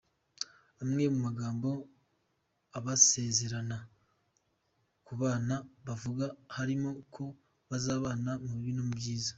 Amwe mu magambo abasezerana kubana bavuga harimo ko bazabana mu bibi no mu byiza.